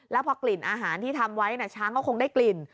แล้วพอกลิ่นอาหารที่ทำไว้ช้างก็คงได้กลิ่น